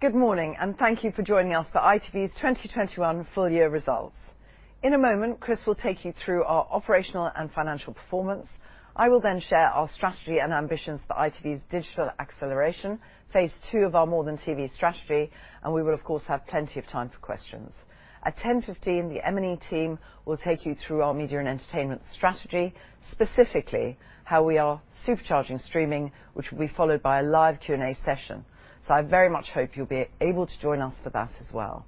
Good morning, and thank you for joining us for ITV's 2021 Full Year Results. In a moment, Chris will take you through our operational and financial performance. I will then share our strategy and ambitions for ITV's digital acceleration, phase two of our more than TV strategy, and we will, of course, have plenty of time for questions. At 10:15 A.M., the M&E team will take you through our media and entertainment strategy, specifically how we are supercharging streaming, which will be followed by a live Q&A session. I very much hope you'll be able to join us for that as well.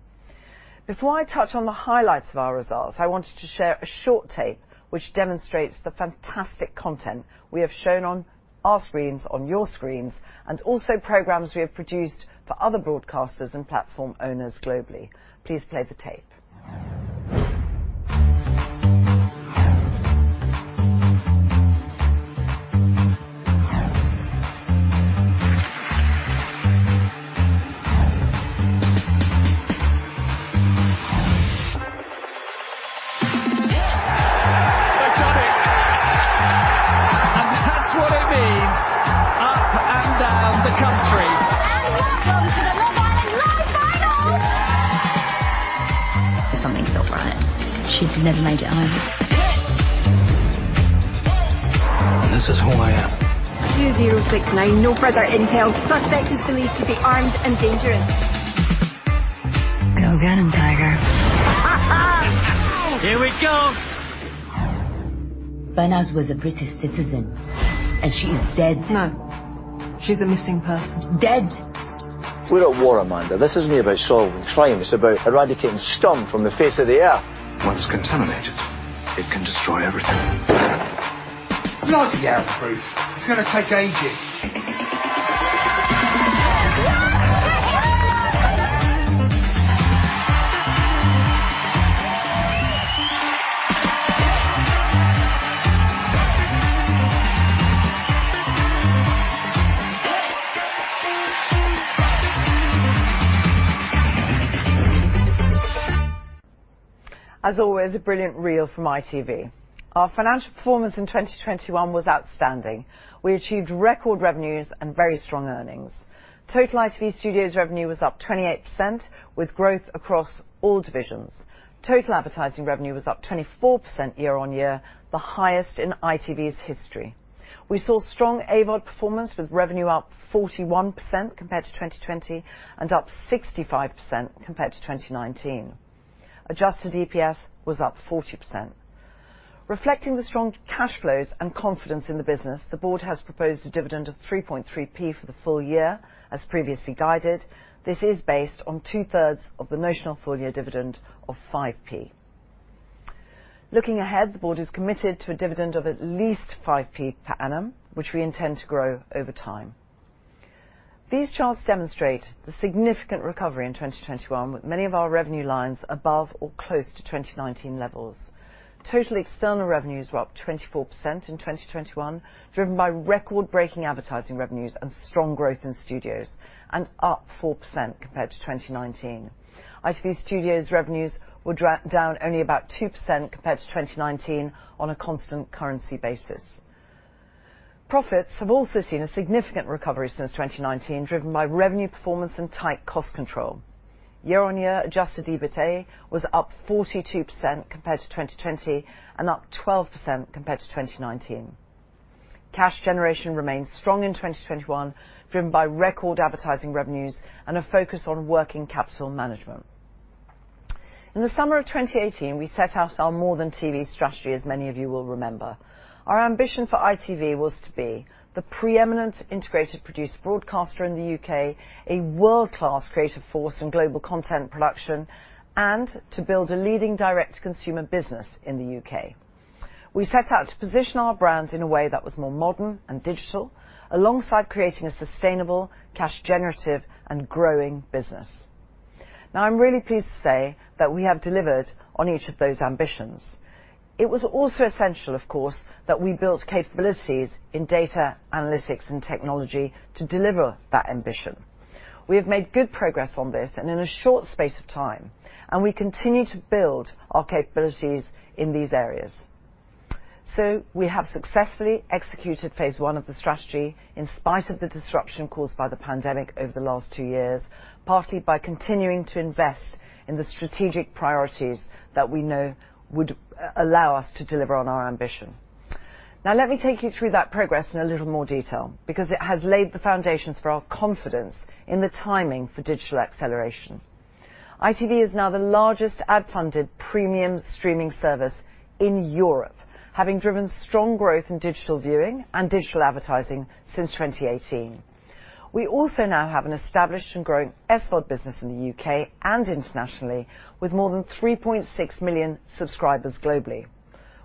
Before I touch on the highlights of our results, I wanted to share a short tape which demonstrates the fantastic content we have shown on our screens, on your screens, and also programs we have produced for other broadcasters and platform owners globally. Please play the tape. They've done it. That's what it means up and down the country. Welcome to the Love Island Live final. Something's not right. She'd never made it home. This is who I am. 2069. No further intel. Suspect is believed to be armed and dangerous. Go get him, tiger. Here we go. Behnaz was a British citizen, and she is dead. No, she's a missing person. Dead. We're at war, Amanda. This isn't about solving crime. It's about eradicating Sturm from the face of the Earth. Once contaminated, it can destroy everything. Bloody hell, Bruce. It's gonna take ages. As always, a brilliant reel from ITV. Our financial performance in 2021 was outstanding. We achieved record revenues and very strong earnings. Total ITV Studios revenue was up 28%, with growth across all divisions. Total advertising revenue was up 24% year-on-year, the highest in ITV's history. We saw strong AVOD performance, with revenue up 41% compared to 2020, and up 65% compared to 2019. Adjusted EPS was up 40%. Reflecting the strong cash flows and confidence in the business, the board has proposed a dividend of 3.3p for the full year, as previously guided. This is based on two-thirds of the notional full-year dividend of 5p. Looking ahead, the board is committed to a dividend of at least 5p per annum, which we intend to grow over time. These charts demonstrate the significant recovery in 2021, with many of our revenue lines above or close to 2019 levels. Total external revenues were up 24% in 2021, driven by record-breaking advertising revenues and strong growth in studios, and up 4% compared to 2019. ITV Studios' revenues were down only about 2% compared to 2019 on a constant currency basis. Profits have also seen a significant recovery since 2019, driven by revenue performance and tight cost control. Year-on-year adjusted EBITA was up 42% compared to 2020, and up 12% compared to 2019. Cash generation remained strong in 2021, driven by record advertising revenues and a focus on working capital management. In the summer of 2018, we set out our More than TV strategy, as many of you will remember. Our ambition for ITV was to be the pre-eminent integrated producer broadcaster in the U.K., a world-class creative force in global content production, and to build a leading direct consumer business in the U.K. We set out to position our brands in a way that was more modern and digital, alongside creating a sustainable, cash generative, and growing business. Now, I'm really pleased to say that we have delivered on each of those ambitions. It was also essential, of course, that we built capabilities in data analytics and technology to deliver that ambition. We have made good progress on this and in a short space of time, and we continue to build our capabilities in these areas. We have successfully executed phase one of the strategy in spite of the disruption caused by the pandemic over the last two years, partly by continuing to invest in the strategic priorities that we know would allow us to deliver on our ambition. Now, let me take you through that progress in a little more detail because it has laid the foundations for our confidence in the timing for digital acceleration. ITV is now the largest ad-funded premium streaming service in Europe, having driven strong growth in digital viewing and digital advertising since 2018. We also now have an established and growing SVOD business in the UK and internationally, with more than 3.6 million subscribers globally.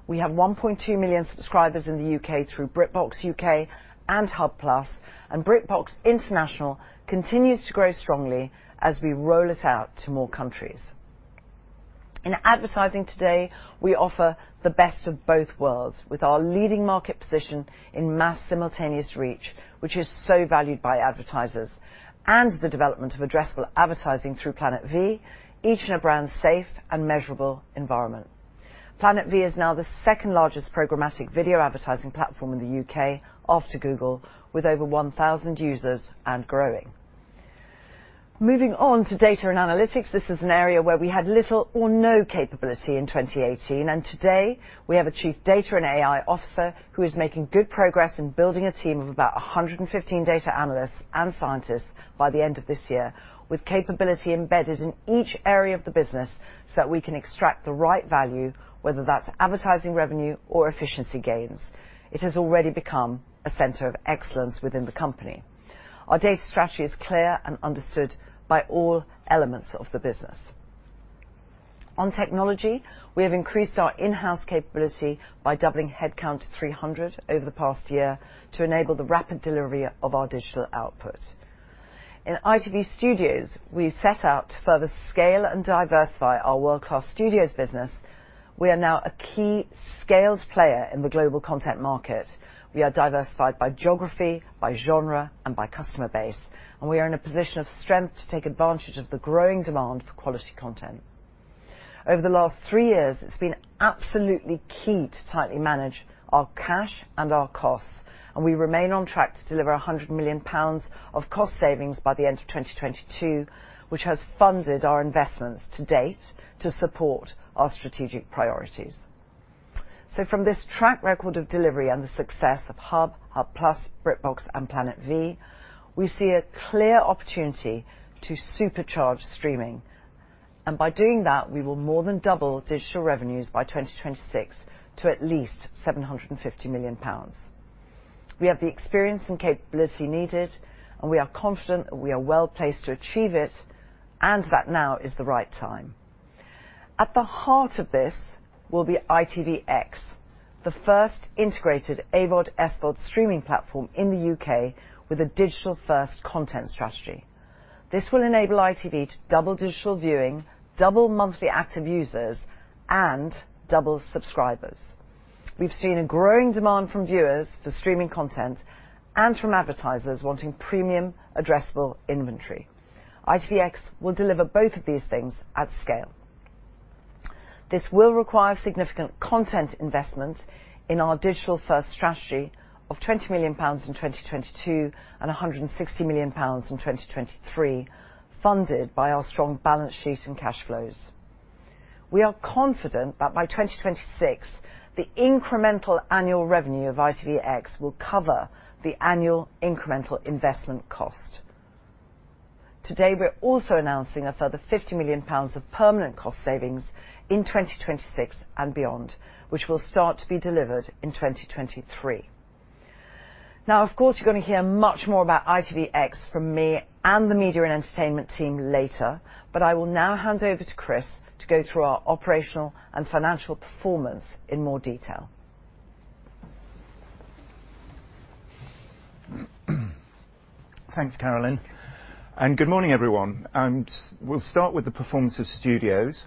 We have 1.2 million subscribers in the UK through BritBox UK and Hub Plus, and BritBox International continues to grow strongly as we roll it out to more countries. In advertising today, we offer the best of both worlds with our leading market position in mass simultaneous reach, which is so valued by advertisers, and the development of addressable advertising through Planet V, each in a brand safe and measurable environment. Planet V is now the second largest programmatic video advertising platform in the U.K. after Google, with over 1000 users and growing. Moving on to data and analytics. This is an area where we had little or no capability in 2018, and today, we have a chief data and AI officer who is making good progress in building a team of about 115 data analysts and scientists by the end of this year, with capability embedded in each area of the business so that we can extract the right value, whether that's advertising revenue or efficiency gains. It has already become a center of excellence within the company. Our data strategy is clear and understood by all elements of the business. On technology, we have increased our in-house capability by doubling headcount to 300 over the past year to enable the rapid delivery of our digital output. In ITV Studios, we set out to further scale and diversify our world-class studios business. We are now a key scaled player in the global content market. We are diversified by geography, by genre, and by customer base, and we are in a position of strength to take advantage of the growing demand for quality content. Over the last three years, it's been absolutely key to tightly manage our cash and our costs, and we remain on track to deliver 100 million pounds of cost savings by the end of 2022, which has funded our investments to date to support our strategic priorities. From this track record of delivery and the success of Hub Plus, BritBox, and Planet V, we see a clear opportunity to supercharge streaming. By doing that, we will more than double digital revenues by 2026 to at least 750 million pounds. We have the experience and capability needed, and we are confident that we are well-placed to achieve it, and that now is the right time. At the heart of this will be ITVX, the first integrated AVOD, SVOD streaming platform in the U.K. with a digital-first content strategy. This will enable ITV to double digital viewing, double monthly active users, and double subscribers. We've seen a growing demand from viewers for streaming content and from advertisers wanting premium addressable inventory. ITVX will deliver both of these things at scale. This will require significant content investment in our digital-first strategy of 20 million pounds in 2022, and 160 million pounds in 2023, funded by our strong balance sheet and cash flows. We are confident that by 2026, the incremental annual revenue of ITVX will cover the annual incremental investment cost. Today, we're also announcing a further 50 million pounds of permanent cost savings in 2026 and beyond, which will start to be delivered in 2023. Now, of course, you're gonna hear much more about ITVX from me and the media and entertainment team later, but I will now hand over to Chris to go through our operational and financial performance in more detail. Thanks, Carolyn, and good morning, everyone. We'll start with the performance of studios.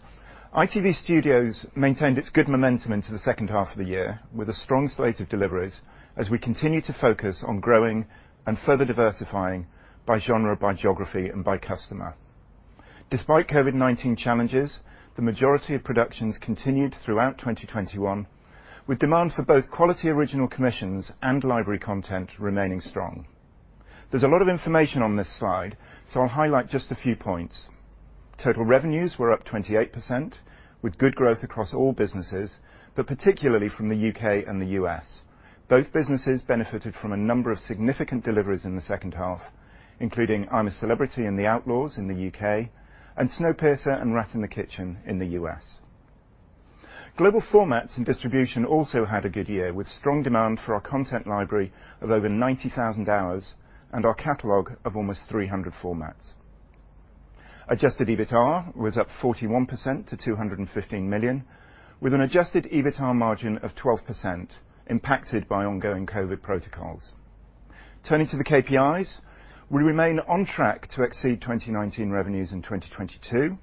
ITV Studios maintained its good momentum into the second half of the year with a strong slate of deliveries as we continue to focus on growing and further diversifying by genre, by geography, and by customer. Despite COVID-19 challenges, the majority of productions continued throughout 2021, with demand for both quality original commissions and library content remaining strong. There's a lot of information on this slide, so I'll highlight just a few points. Total revenues were up 28% with good growth across all businesses, but particularly from the U.K. and the U.S. Both businesses benefited from a number of significant deliveries in the second half, including I'm a Celebrity and The Outlaws in the U.K., and Snowpiercer and Rat in the Kitchen in the U.S. Global formats and distribution also had a good year with strong demand for our content library of over 90,000 hours and our catalog of almost 300 formats. Adjusted EBITA was up 41% to £215 million, with an adjusted EBITA margin of 12% impacted by ongoing COVID protocols. Turning to the KPIs, we remain on track to exceed 2019 revenues in 2022,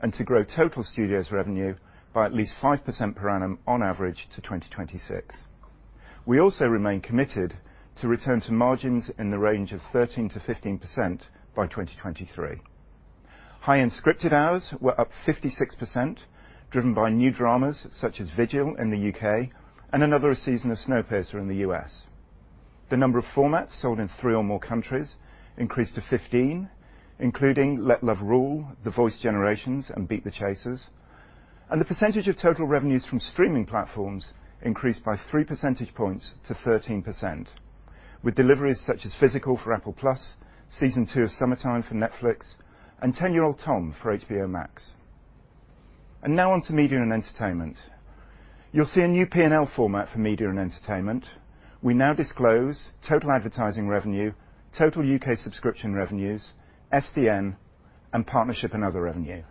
and to grow total studios revenue by at least 5% per annum on average to 2026. We also remain committed to return to margins in the range of 13%-15% by 2023. High-end scripted hours were up 56%, driven by new dramas such as Vigil in the U.K. and another season of Snowpiercer in the U.S. The number of formats sold in three or more countries increased to 15, including Let Love Rule, The Voice Generations, and Beat the Chasers. The percentage of total revenues from streaming platforms increased by 3% points to 13%, with deliveries such as Physical for Apple TV+, season two of Summertime for Netflix, and Ten Year Old Tom for HBO Max. Now on to media and entertainment. You'll see a new P&L format for media and entertainment. We now disclose total advertising revenue, total UK subscription revenues, SDN, and partnership and other revenue.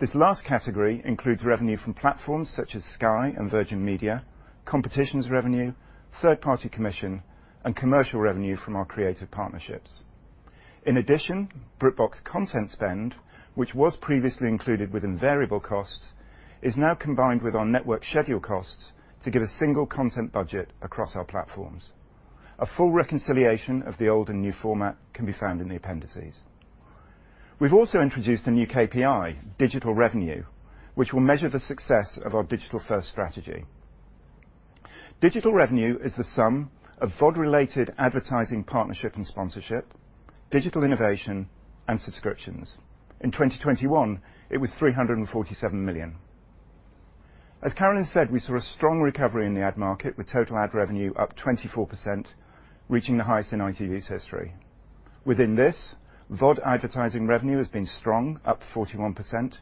This last category includes revenue from platforms such as Sky and Virgin Media, competitions revenue, third-party commission, and commercial revenue from our creative partnerships. In addition, BritBox content spend, which was previously included within variable costs, is now combined with our network schedule costs to give a single content budget across our platforms. A full reconciliation of the old and new format can be found in the appendices. We've also introduced a new KPI, digital revenue, which will measure the success of our digital-first strategy. Digital revenue is the sum of VOD-related advertising, partnership and sponsorship, digital innovation and subscriptions. In 2021, it was 347 million. As Carolyn said, we saw a strong recovery in the ad market, with total ad revenue up 24%, reaching the highest in ITV's history. Within this, VOD advertising revenue has been strong, up 41%.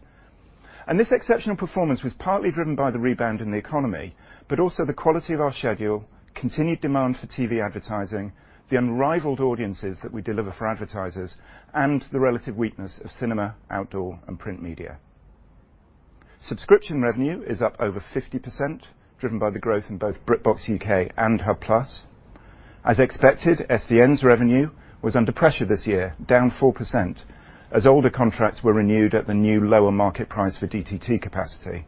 This exceptional performance was partly driven by the rebound in the economy, but also the quality of our schedule, continued demand for TV advertising, the unrivaled audiences that we deliver for advertisers, and the relative weakness of cinema, outdoor and print media. Subscription revenue is up over 50%, driven by the growth in both BritBox UK and Hub Plus. As expected, SDN's revenue was under pressure this year, down 4%, as older contracts were renewed at the new lower market price for DTT capacity.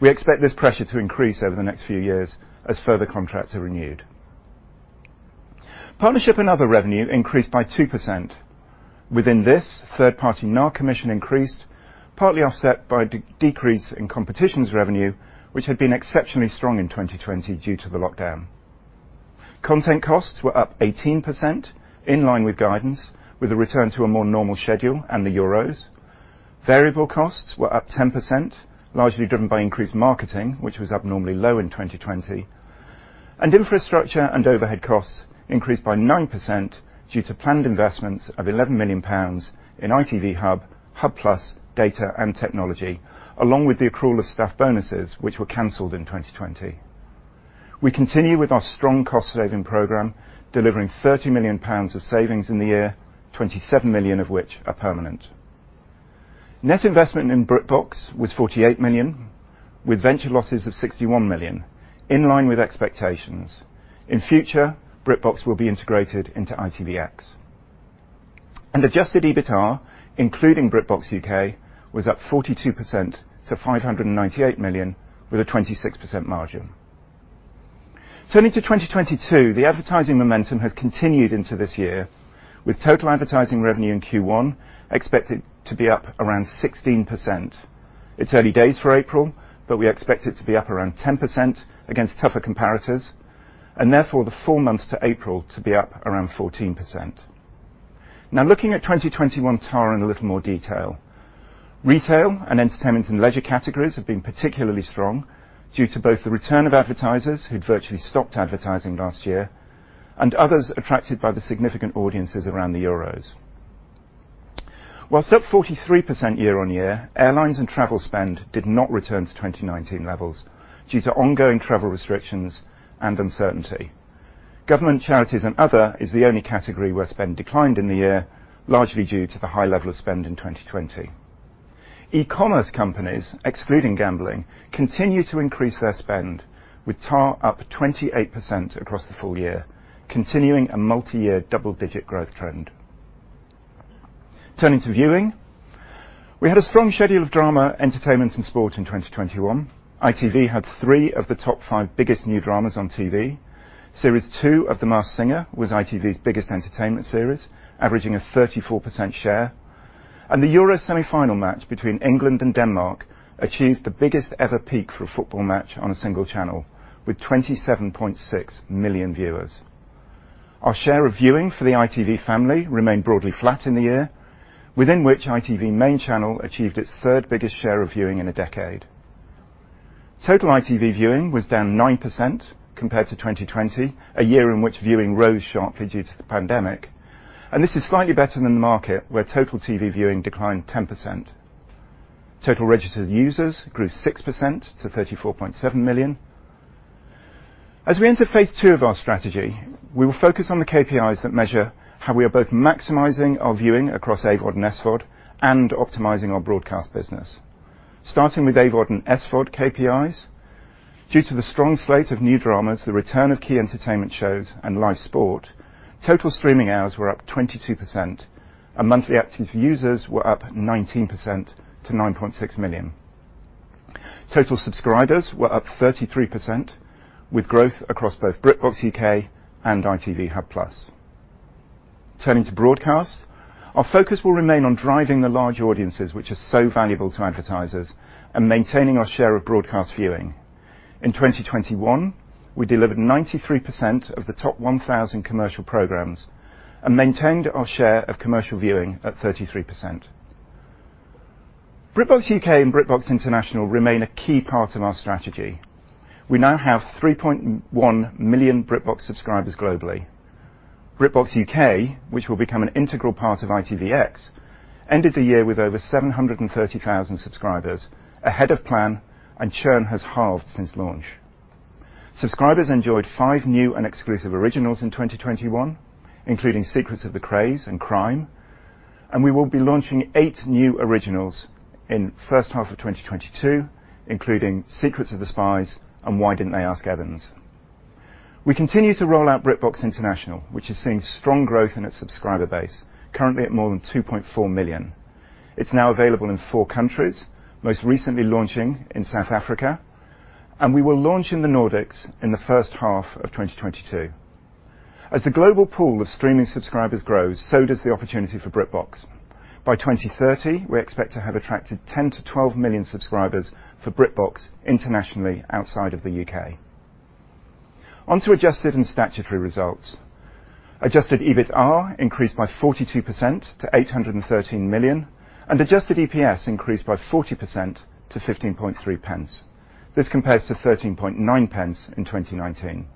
We expect this pressure to increase over the next few years as further contracts are renewed. Partnership and other revenue increased by 2%. Within this, third-party NAR commission increased, partly offset by decrease in commissions revenue, which had been exceptionally strong in 2020 due to the lockdown. Content costs were up 18%, in line with guidance, with a return to a more normal schedule and the Euros. Variable costs were up 10%, largely driven by increased marketing, which was unusually low in 2020. Infrastructure and overhead costs increased by 9% due to planned investments of 11 million pounds in ITV Hub+, data and technology, along with the accrual of staff bonuses, which were canceled in 2020. We continue with our strong cost-saving program, delivering 30 million pounds of savings in the year, 27 million of which are permanent. Net investment in BritBox was 48 million, with venture losses of 61 million, in line with expectations. In future, BritBox will be integrated into ITVX. Adjusted EBITA, including BritBox UK, was up 42% to 598 million, with a 26% margin. Turning to 2022, the advertising momentum has continued into this year, with total advertising revenue in Q1 expected to be up around 16%. It's early days for April, but we expect it to be up around 10% against tougher comparators, and therefore the four months to April to be up around 14%. Now, looking at 2021 TAR in a little more detail. Retail and entertainment and leisure categories have been particularly strong due to both the return of advertisers who'd virtually stopped advertising last year and others attracted by the significant audiences around the Euros. While up 43% year-over-year, airlines and travel spend did not return to 2019 levels due to ongoing travel restrictions and uncertainty. Government, charities, and other is the only category where spend declined in the year, largely due to the high level of spend in 2020. E-commerce companies, excluding gambling, continue to increase their spend, with TAR up 28% across the full year, continuing a multi-year double-digit growth trend. Turning to viewing. We had a strong schedule of drama, entertainment, and sport in 2021. ITV had three of the top five biggest new dramas on TV. Series 2 of The Masked Singer was ITV's biggest entertainment series, averaging a 34% share. The Euro semifinal match between England and Denmark achieved the biggest-ever peak for a football match on a single channel, with 27.6 million viewers. Our share of viewing for the ITV family remained broadly flat in the year, within which ITV main channel achieved its third-biggest share of viewing in a decade. Total ITV viewing was down 9% compared to 2020, a year in which viewing rose sharply due to the pandemic. This is slightly better than the market, where total TV viewing declined 10%. Total registered users grew 6% to 34.7 million. As we enter phase two of our strategy, we will focus on the KPIs that measure how we are both maximizing our viewing across AVOD and SVOD and optimizing our broadcast business. Starting with AVOD and SVOD KPIs. Due to the strong slate of new dramas, the return of key entertainment shows and live sport, total streaming hours were up 22%, and monthly active users were up 19% to 9.6 million. Total subscribers were up 33%, with growth across both BritBox UK and ITV Hub+. Turning to broadcast. Our focus will remain on driving the large audiences which are so valuable to advertisers and maintaining our share of broadcast viewing. In 2021, we delivered 93% of the top 1,000 commercial programs and maintained our share of commercial viewing at 33%. BritBox UK and BritBox International remain a key part of our strategy. We now have 3.1 million BritBox subscribers globally. BritBox UK, which will become an integral part of ITVX, ended the year with over 730,000 subscribers, ahead of plan, and churn has halved since launch. Subscribers enjoyed five new and exclusive originals in 2021, including Secrets of the Krays and Crime, and we will be launching eight new originals in first half of 2022, including Secrets of the Spies and Why Didn't They Ask Evans?. We continue to roll out BritBox International, which is seeing strong growth in its subscriber base, currently at more than 2.4 million. It's now available in four countries, most recently launching in South Africa, and we will launch in the Nordics in the first half of 2022. As the global pool of streaming subscribers grows, so does the opportunity for BritBox. By 2030, we expect to have attracted 10-12 million subscribers for BritBox internationally outside of the UK. On to adjusted and statutory results. Adjusted EBITA increased by 42% to 813 million, and adjusted EPS increased by 40% to 15.3 pence. This compares to 13.9 pence in 2019.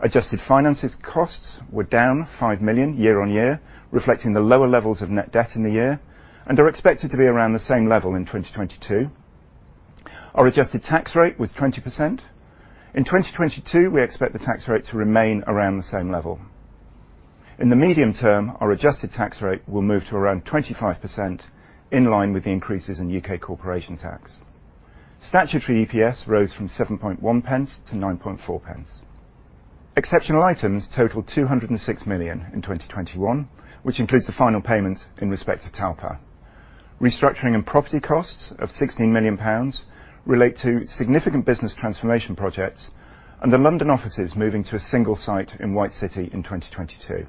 Adjusted finance costs were down 5 million year-on-year, and are expected to be around the same level in 2022. Our adjusted tax rate was 20%. In 2022, we expect the tax rate to remain around the same level. In the medium term, our adjusted tax rate will move to around 25% in line with the increases in U.K. corporation tax. Statutory EPS rose from 7.1 pence to 9.4 pence. Exceptional items totaled 206 million in 2021, which includes the final payment in respect to Talpa. Restructuring and property costs of 16 million pounds relate to significant business transformation projects, and the London office is moving to a single site in White City in 2022.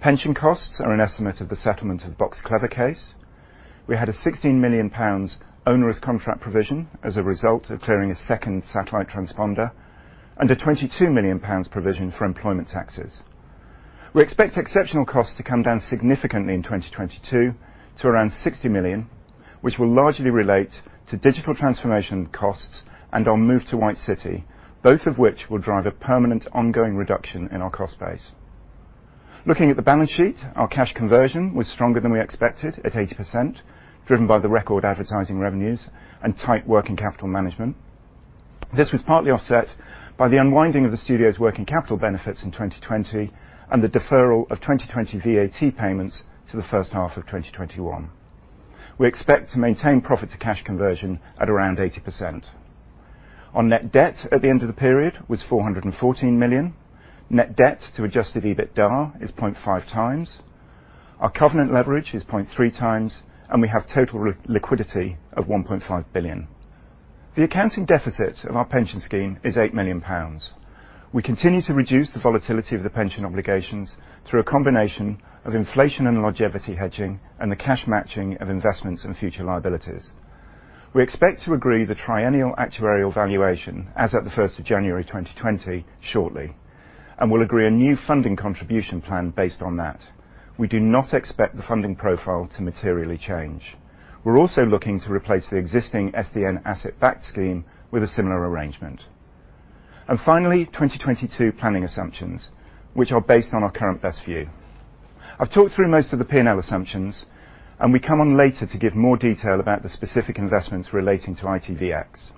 Pension costs are an estimate of the settlement of Box Clever case. We had a 16 million pounds onerous contract provision as a result of clearing a second satellite transponder and a 22 million pounds provision for employment taxes. We expect exceptional costs to come down significantly in 2022 to around 60 million, which will largely relate to digital transformation costs and our move to White City, both of which will drive a permanent ongoing reduction in our cost base. Looking at the balance sheet, our cash conversion was stronger than we expected at 80%, driven by the record advertising revenues and tight working capital management. This was partly offset by the unwinding of the studio's working capital benefits in 2020 and the deferral of 2020 VAT payments to the first half of 2021. We expect to maintain profit to cash conversion at around 80%. Our net debt at the end of the period was 414 million. Net debt to adjusted EBITDAR is 0.5 times. Our covenant leverage is 0.3 times, and we have total liquidity of 1.5 billion. The accounting deficit of our pension scheme is 8 million pounds. We continue to reduce the volatility of the pension obligations through a combination of inflation and longevity hedging and the cash matching of investments in future liabilities. We expect to agree the triennial actuarial valuation as at 1 January 2020 shortly, and we'll agree a new funding contribution plan based on that. We do not expect the funding profile to materially change. We're also looking to replace the existing SDN asset-backed scheme with a similar arrangement. Finally, 2022 planning assumptions, which are based on our current best view. I've talked through most of the P&L assumptions, and we come on later to give more detail about the specific investments relating to ITVX.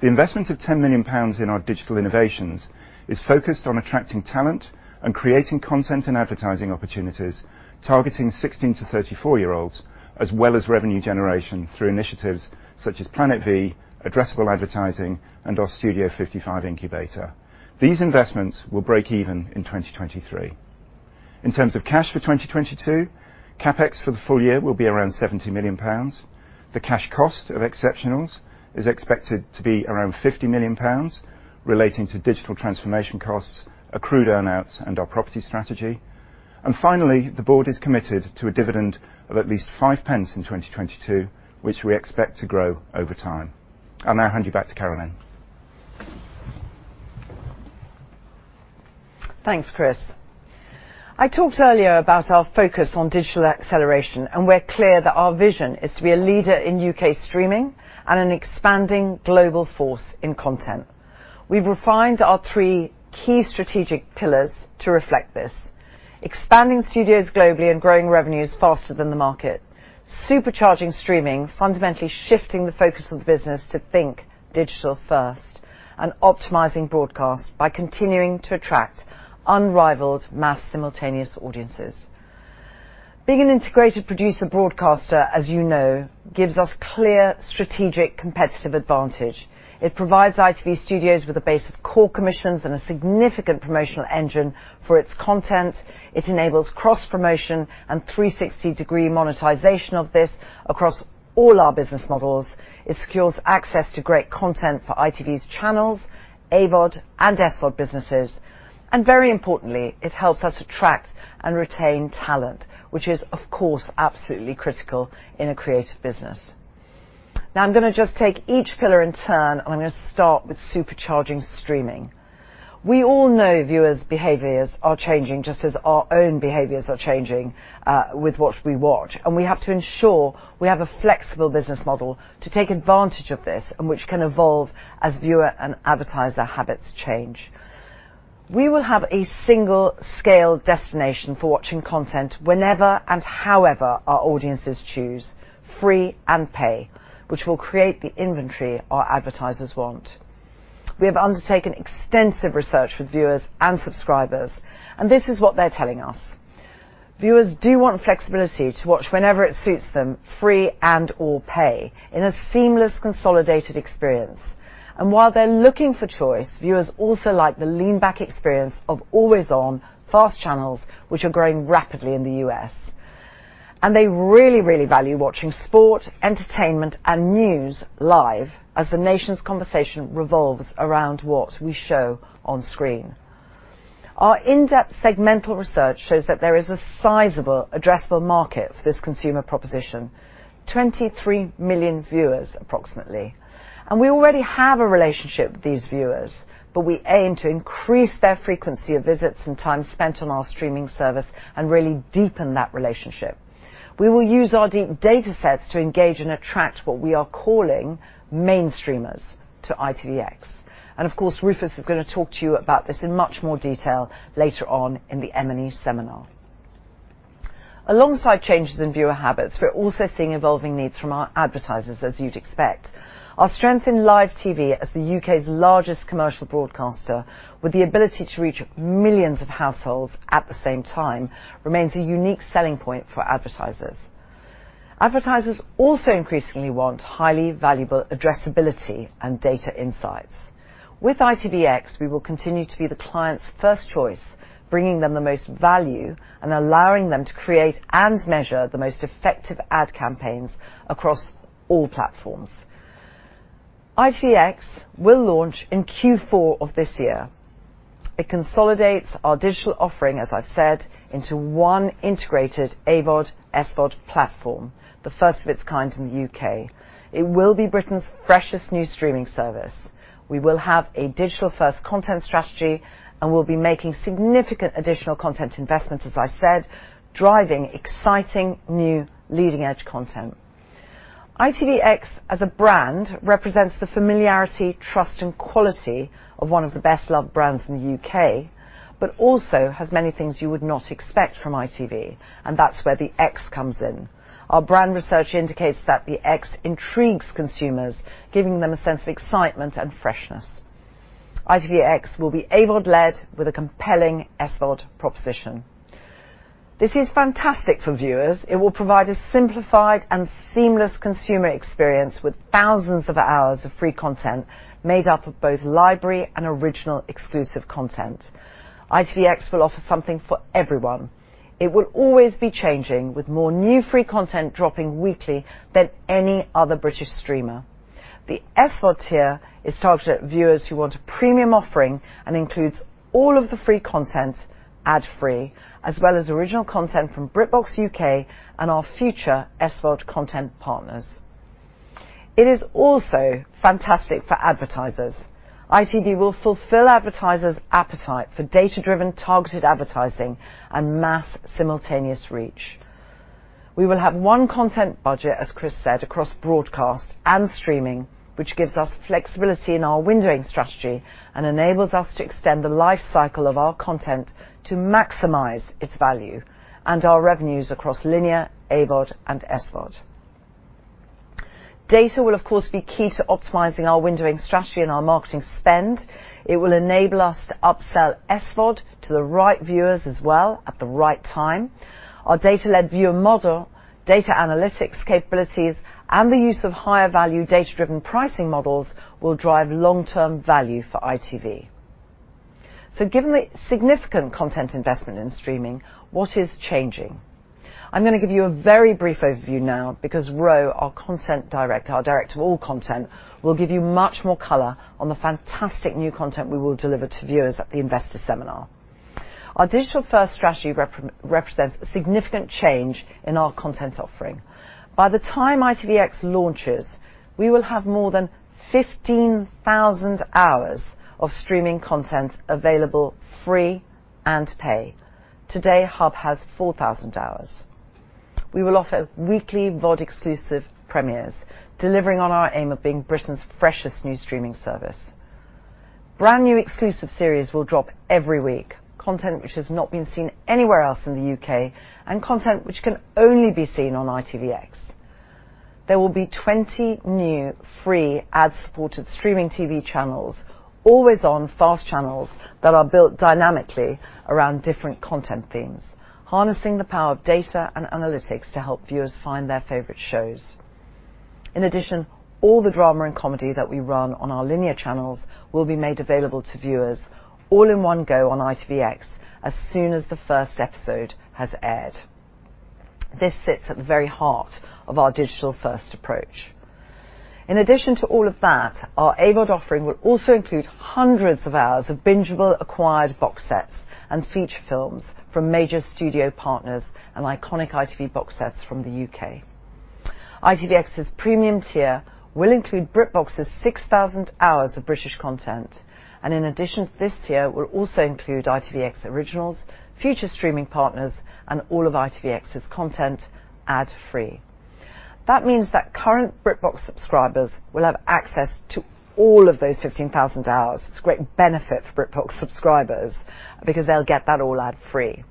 The investment of 10 million pounds in our digital innovations is focused on attracting talent and creating content and advertising opportunities, targeting 16 to 34-year-olds, as well as revenue generation through initiatives such as Planet V, addressable advertising, and our Studio 55 incubator. These investments will break even in 2023. In terms of cash for 2022, CapEx for the full year will be around 70 million pounds. The cash cost of exceptionals is expected to be around 50 million pounds relating to digital transformation costs, accrued earn-outs, and our property strategy. Finally, the board is committed to a dividend of at least 0.05 in 2022, which we expect to grow over time. I'll now hand you back to Carolyn. Thanks, Chris. I talked earlier about our focus on digital acceleration, and we're clear that our vision is to be a leader in U.K. streaming and an expanding global force in content. We've refined our three key strategic pillars to reflect this. Expanding studios globally and growing revenues faster than the market. Supercharging streaming, fundamentally shifting the focus of the business to think digital first. Optimizing broadcast by continuing to attract unrivaled mass simultaneous audiences. Being an integrated producer broadcaster, as you know, gives us clear strategic competitive advantage. It provides ITV Studios with a base of core commissions and a significant promotional engine for its content. It enables cross-promotion and three-sixty degree monetization of this across all our business models. It secures access to great content for ITV's channels, AVOD, and SVOD businesses. Very importantly, it helps us attract and retain talent, which is, of course, absolutely critical in a creative business. Now, I'm gonna just take each pillar in turn, and I'm gonna start with supercharging streaming. We all know viewers' behaviors are changing just as our own behaviors are changing, with what we watch, and we have to ensure we have a flexible business model to take advantage of this and which can evolve as viewer and advertiser habits change. We will have a single scale destination for watching content whenever and however our audiences choose, free and pay, which will create the inventory our advertisers want. We have undertaken extensive research with viewers and subscribers, and this is what they're telling us. Viewers do want flexibility to watch whenever it suits them, free and/or pay, in a seamless, consolidated experience. While they're looking for choice, viewers also like the lean-back experience of always-on fast channels, which are growing rapidly in the U.S. They really, really value watching sport, entertainment, and news live as the nation's conversation revolves around what we show on screen. Our in-depth segmental research shows that there is a sizable addressable market for this consumer proposition, 23 million viewers approximately. We already have a relationship with these viewers, but we aim to increase their frequency of visits and time spent on our streaming service and really deepen that relationship. We will use our deep data sets to engage and attract what we are calling main streamers to ITVX. Of course, Rufus is gonna talk to you about this in much more detail later on in the M&E seminar. Alongside changes in viewer habits, we're also seeing evolving needs from our advertisers, as you'd expect. Our strength in live TV as the U.K.'s largest commercial broadcaster with the ability to reach millions of households at the same time remains a unique selling point for advertisers. Advertisers also increasingly want highly valuable addressability and data insights. With ITVX, we will continue to be the client's first choice, bringing them the most value, and allowing them to create and measure the most effective ad campaigns across all platforms. ITVX will launch in Q4 of this year. It consolidates our digital offering, as I've said, into one integrated AVOD, SVOD platform, the first of its kind in the U.K. It will be Britain's freshest new streaming service. We will have a digital-first content strategy, and we'll be making significant additional content investments, as I said, driving exciting, new leading-edge content. ITVX, as a brand, represents the familiarity, trust, and quality of one of the best-loved brands in the U.K., but also has many things you would not expect from ITV, and that's where the X comes in. Our brand research indicates that the X intrigues consumers, giving them a sense of excitement and freshness. ITVX will be AVOD led with a compelling SVOD proposition. This is fantastic for viewers. It will provide a simplified and seamless consumer experience with thousands of hours of free content made up of both library and original exclusive content. ITVX will offer something for everyone. It will always be changing, with more new free content dropping weekly than any other British streamer. The SVOD tier is targeted at viewers who want a premium offering and includes all of the free content ad-free, as well as original content from BritBox UK and our future SVOD content partners. It is also fantastic for advertisers. ITV will fulfill advertisers' appetite for data-driven targeted advertising and mass simultaneous reach. We will have one content budget, as Chris said, across broadcast and streaming, which gives us flexibility in our windowing strategy and enables us to extend the life cycle of our content to maximize its value and our revenues across linear, AVOD, and SVOD. Data will of course be key to optimizing our windowing strategy and our marketing spend. It will enable us to upsell SVOD to the right viewers as well at the right time. Our data-led viewer model, data analytics capabilities, and the use of higher value data-driven pricing models will drive long-term value for ITV. Given the significant content investment in streaming, what is changing? I'm gonna give you a very brief overview now because Ro, our content director, our director of all content, will give you much more color on the fantastic new content we will deliver to viewers at the Investor seminar. Our digital-first strategy represents a significant change in our content offering. By the time ITVX launches, we will have more than 15,000 hours of streaming content available free and pay. Today, Hub has 4,000 hours. We will offer weekly VOD-exclusive premieres, delivering on our aim of being Britain's freshest new streaming service. Brand-new exclusive series will drop every week, content which has not been seen anywhere else in the U.K., and content which can only be seen on ITVX. There will be 20 new free ad-supported streaming TV channels, always-on FAST channels that are built dynamically around different content themes, harnessing the power of data and analytics to help viewers find their favorite shows. In addition, all the drama and comedy that we run on our linear channels will be made available to viewers all in one go on ITVX as soon as the first episode has aired. This sits at the very heart of our digital-first approach. In addition to all of that, our AVOD offering will also include hundreds of hours of bingeable acquired box sets and feature films from major studio partners and iconic ITV box sets from the U.K. ITVX's premium tier will include BritBox's 6,000 hours of British content, and in addition to this tier will also include ITVX originals, future streaming partners, and all of ITVX's content ad-free. That means that current BritBox subscribers will have access to all of those 15,000 hours. It's a great benefit for BritBox subscribers because they'll get that all ad-free.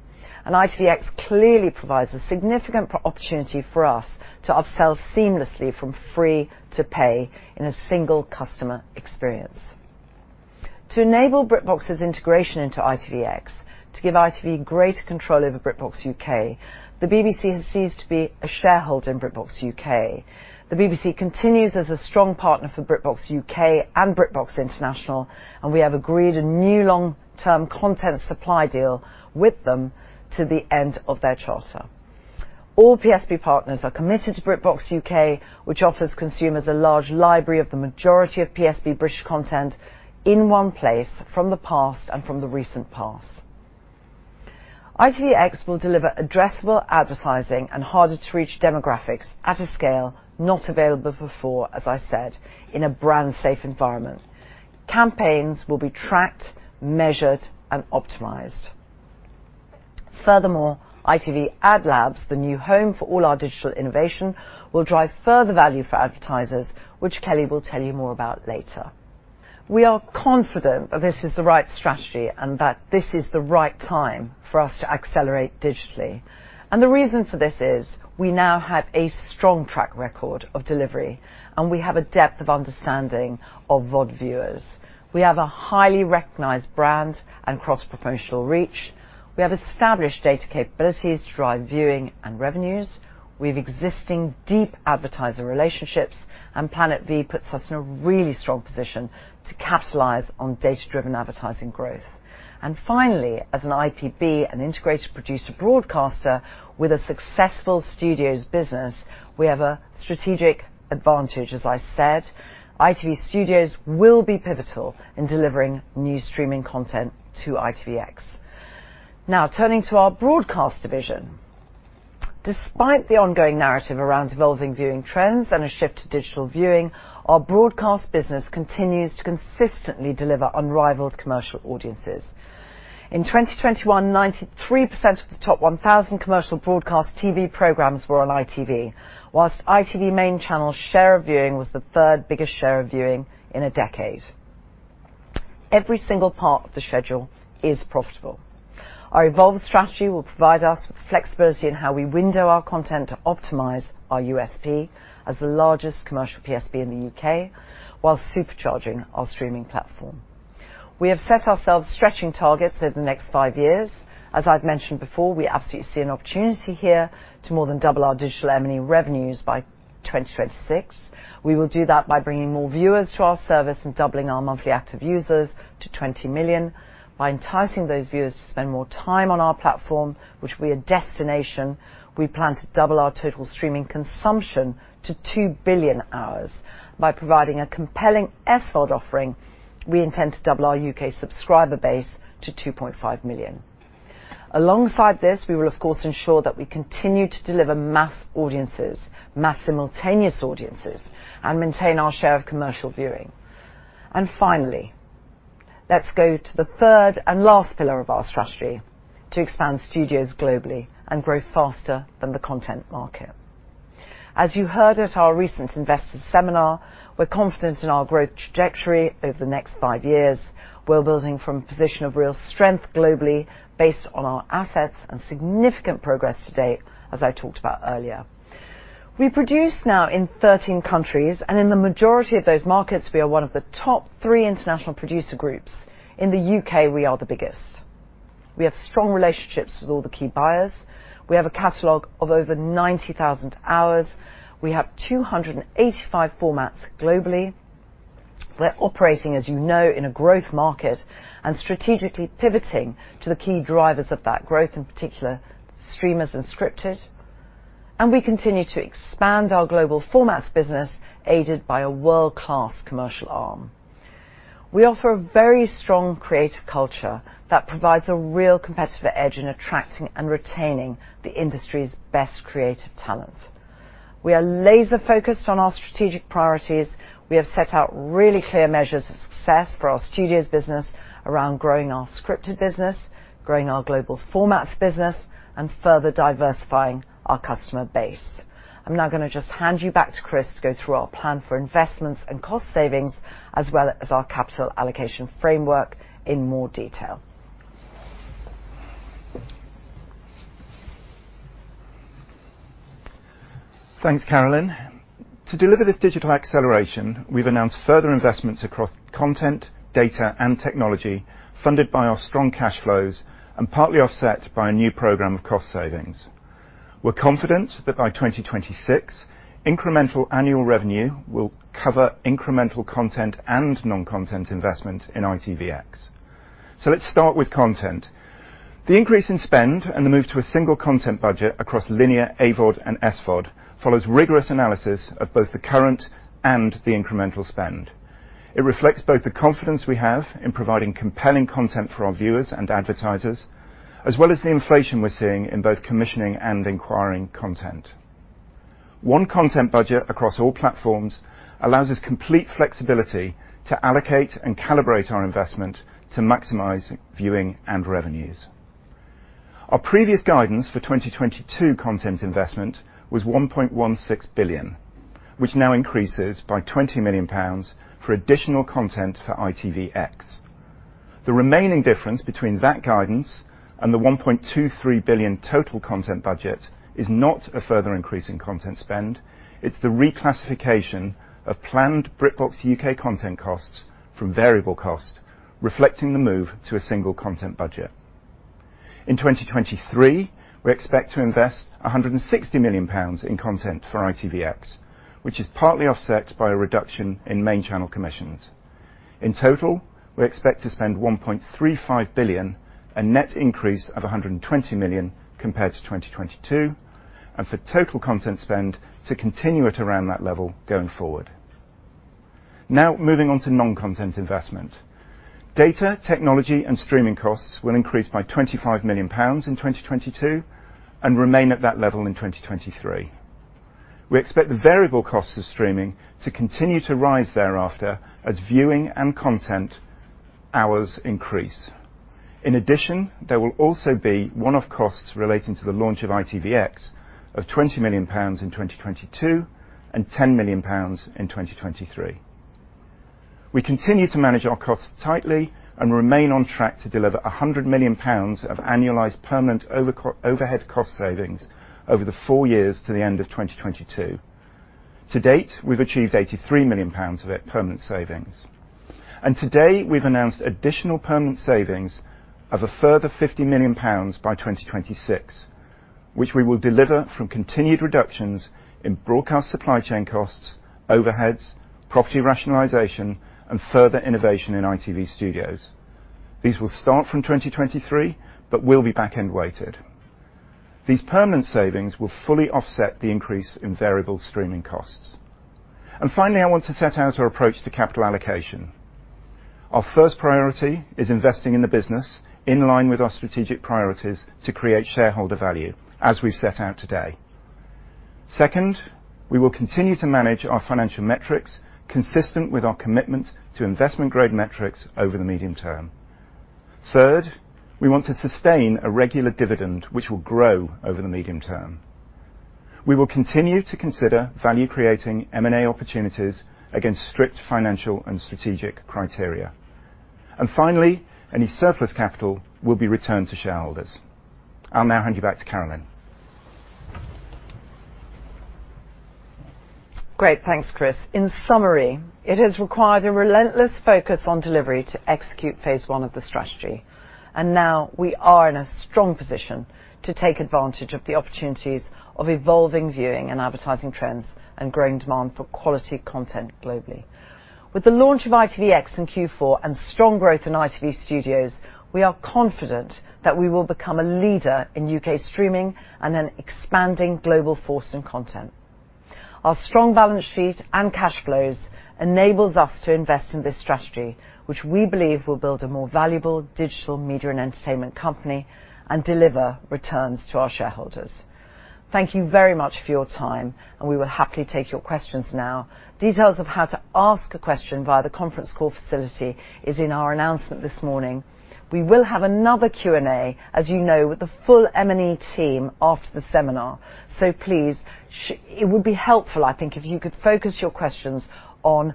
ITVX clearly provides a significant opportunity for us to upsell seamlessly from free to pay in a single customer experience. To enable BritBox's integration into ITVX, to give ITV greater control over BritBox UK, the BBC has ceased to be a shareholder in BritBox UK. The BBC continues as a strong partner for BritBox UK and BritBox International, and we have agreed a new long-term content supply deal with them to the end of their charter. All PSB partners are committed to BritBox UK, which offers consumers a large library of the majority of PSB British content in one place from the past and from the recent past. ITVX will deliver addressable advertising and harder to reach demographics at a scale not available before, as I said, in a brand safe environment. Campaigns will be tracked, measured, and optimized. Furthermore, ITV AdLabs, the new home for all our digital innovation, will drive further value for advertisers, which Kelly will tell you more about later. We are confident that this is the right strategy and that this is the right time for us to accelerate digitally. The reason for this is we now have a strong track record of delivery, and we have a depth of understanding of VOD viewers. We have a highly recognized brand and cross-promotional reach. We have established data capabilities to drive viewing and revenues. We have existing deep advertiser relationships, and Planet V puts us in a really strong position to capitalize on data-driven advertising growth. And finally, as an IPB, an integrated producer broadcaster with a successful studios business, we have a strategic advantage, as I said. ITV Studios will be pivotal in delivering new streaming content to ITVX. Now turning to our broadcast division. Despite the ongoing narrative around evolving viewing trends and a shift to digital viewing, our broadcast business continues to consistently deliver unrivaled commercial audiences. In 2021, 93% of the top 1,000 commercial broadcast TV programs were on ITV, while ITV main channel share of viewing was the third biggest share of viewing in a decade. Every single part of the schedule is profitable. Our evolved strategy will provide us with flexibility in how we window our content to optimize our USP as the largest commercial PSB in the U.K., while supercharging our streaming platform. We have set ourselves stretching targets over the next five years. As I've mentioned before, we absolutely see an opportunity here to more than double our digital M&E revenues by 2026. We will do that by bringing more viewers to our service and doubling our monthly active users to 20 million. By enticing those viewers to spend more time on our platform, which we are a destination, we plan to double our total streaming consumption to 2 billion hours. By providing a compelling SVOD offering, we intend to double our UK subscriber base to 2.5 million. Alongside this, we will of course ensure that we continue to deliver mass audiences, mass simultaneous audiences, and maintain our share of commercial viewing. Finally, let's go to the third and last pillar of our strategy to expand studios globally and grow faster than the content market. As you heard at our recent Investor seminar, we're confident in our growth trajectory over the next 5 years. We're building from a position of real strength globally based on our assets and significant progress to date, as I talked about earlier. We produce now in 13 countries, and in the majority of those markets, we are one of the top three international producer groups. In the U.K., we are the biggest. We have strong relationships with all the key buyers. We have a catalog of over 90,000 hours. We have 285 formats globally. We're operating, as you know, in a growth market and strategically pivoting to the key drivers of that growth, in particular, streamers and scripted. We continue to expand our global formats business aided by a world-class commercial arm. We offer a very strong creative culture that provides a real competitive edge in attracting and retaining the industry's best creative talent. We are laser-focused on our strategic priorities. We have set out really clear measures of success for our studios business around growing our scripted business, growing our global formats business, and further diversifying our customer base. I'm now gonna just hand you back to Chris to go through our plan for investments and cost savings, as well as our capital allocation framework in more detail. Thanks, Carolyn. To deliver this digital acceleration, we've announced further investments across content, data, and technology funded by our strong cash flows and partly offset by a new program of cost savings. We're confident that by 2026, incremental annual revenue will cover incremental content and non-content investment in ITVX. Let's start with content. The increase in spend and the move to a single content budget across linear, AVOD, and SVOD follows rigorous analysis of both the current and the incremental spend. It reflects both the confidence we have in providing compelling content for our viewers and advertisers, as well as the inflation we're seeing in both commissioning and acquiring content. One content budget across all platforms allows us complete flexibility to allocate and calibrate our investment to maximize viewing and revenues. Our previous guidance for 2022 content investment was 1.16 billion, which now increases by 20 million pounds for additional content for ITVX. The remaining difference between that guidance and the 1.23 billion total content budget is not a further increase in content spend. It's the reclassification of planned BritBox UK content costs from variable cost, reflecting the move to a single content budget. In 2023, we expect to invest 160 million pounds in content for ITVX, which is partly offset by a reduction in main channel commissions. In total, we expect to spend 1.35 billion, a net increase of 120 million compared to 2022. For total content spend to continue at around that level going forward. Now moving on to non-content investment. Data, technology and streaming costs will increase by 25 million pounds in 2022, and remain at that level in 2023. We expect the variable costs of streaming to continue to rise thereafter as viewing and content hours increase. In addition, there will also be one-off costs relating to the launch of ITVX of 20 million pounds in 2022 and 10 million pounds in 2023. We continue to manage our costs tightly and remain on track to deliver 100 million pounds of annualized permanent overhead cost savings over the four years to the end of 2022. To date, we've achieved 83 million pounds of it permanent savings. Today we've announced additional permanent savings of a further 50 million pounds by 2026, which we will deliver from continued reductions in broadcast supply chain costs, overheads, property rationalization, and further innovation in ITV Studios. These will start from 2023, but will be back-end weighted. These permanent savings will fully offset the increase in variable streaming costs. Finally, I want to set out our approach to capital allocation. Our first priority is investing in the business in line with our strategic priorities to create shareholder value, as we've set out today. Second, we will continue to manage our financial metrics consistent with our commitment to investment-grade metrics over the medium term. Third, we want to sustain a regular dividend, which will grow over the medium term. We will continue to consider value-creating M&A opportunities against strict financial and strategic criteria. Finally, any surplus capital will be returned to shareholders. I'll now hand you back to Carolyn. Great. Thanks, Chris. In summary, it has required a relentless focus on delivery to execute phase one of the strategy. Now we are in a strong position to take advantage of the opportunities of evolving viewing and advertising trends and growing demand for quality content globally. With the launch of ITVX in Q4 and strong growth in ITV Studios, we are confident that we will become a leader in U.K. streaming and an expanding global force in content. Our strong balance sheet and cash flows enables us to invest in this strategy, which we believe will build a more valuable digital media and entertainment company, and deliver returns to our shareholders. Thank you very much for your time, and we will happily take your questions now. Details of how to ask a question via the conference call facility is in our announcement this morning. We will have another Q&A, as you know, with the full M&E team after the seminar. It would be helpful, I think, if you could focus your questions on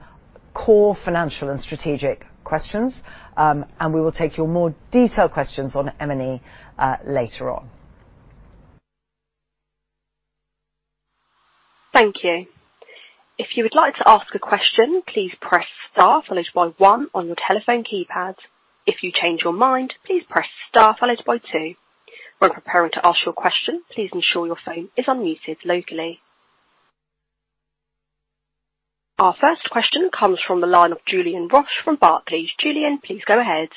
core financial and strategic questions, and we will take your more detailed questions on M&E, later on. Thank you. If you would like to ask a question, please press Star followed by One on your telephone keypad. If you change your mind, please press Star followed by Two. When preparing to ask your question, please ensure your phone is unmuted locally. Our first question comes from the line of Julien Roch from Barclays. Julien, please go ahead.